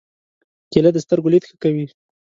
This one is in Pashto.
کېله د سترګو لید ښه کوي.